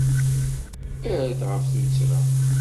Err-d ɣef tuttra.